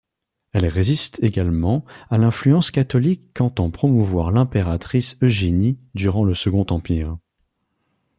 Elle résiste également à l'influence catholique qu'entend promouvoir l'impératrice Eugénie durant le Second Empire.